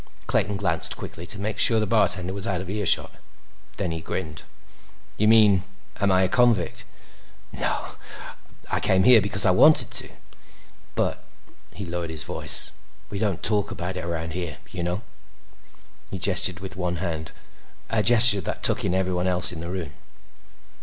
Clayton glanced quickly to make sure the bartender was out of earshot. Then he grinned. "You mean am I a convict? Nah. I came here because I wanted to. But—" He lowered his voice. "—we don't talk about it around here. You know." He gestured with one hand—a gesture that took in everyone else in the room.